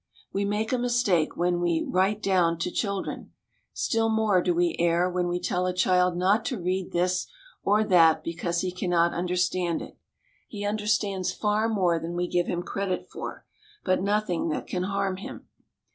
... We make a mistake when we 'write down' to children; still more do we err when we tell a child not to read this or that because he cannot understand it. He understands far more than we give him credit for, but nothing that can harm him.